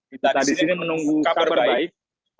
kita tadi sini menunggu kabar baik